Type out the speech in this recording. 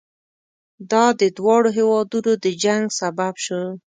دا د دواړو هېوادونو د جنګ سبب شو.